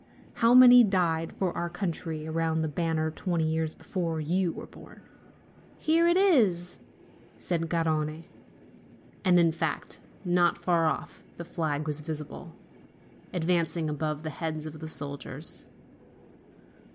How many died for our country around that banner twenty years before you were born!" "Here it is!" said Garrone. And in fact, not far off, the flag was visible, advancing, above the heads of the soldiers.